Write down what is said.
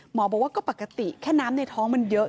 บอกว่าก็ปกติแค่น้ำในท้องมันเยอะ